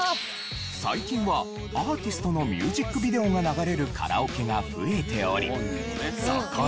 最近はアーティストのミュージックビデオが流れるカラオケが増えておりそこで。